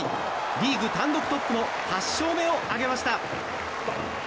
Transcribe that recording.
リーグ単独トップの８勝目を挙げました。